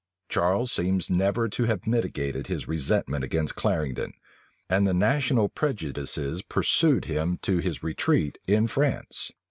Charles seems never to have mitigated his resentment against Clarendon; and the national prejudices pursued him to his retreat in France.